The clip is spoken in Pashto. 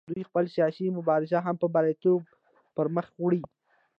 دوی خپله سیاسي مبارزه هم په بریالیتوب پر مخ وړي